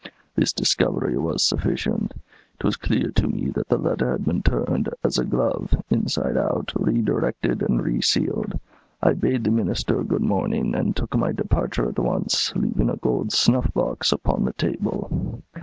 This discovery was sufficient. It was clear to me that the letter had been turned, as a glove, inside out, redirected and resealed. I bade the Minister good morning, and took my departure at once, leaving a gold snuff box upon the table.